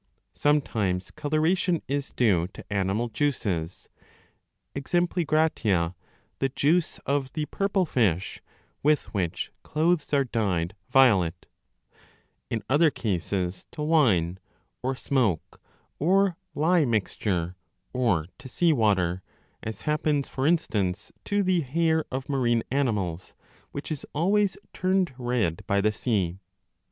Sometimes colora CHAPTER 4 794* tion is due to animal juices (e.g. the juice of the purple fish, with which clothes are dyed violet), in other cases to wine, or smoke, or lye mixture, or to sea water, as happens, for instance, to the hair of marine animals, which is always turned red by the sea.